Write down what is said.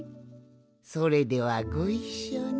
それではごいっしょに。